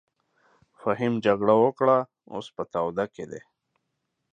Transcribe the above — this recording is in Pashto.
فهيم جګړه وکړه اوس په تاوده کښی دې.